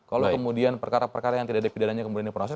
kalau kemudian perkara perkara yang tidak ada pidana kemudiannya pronoset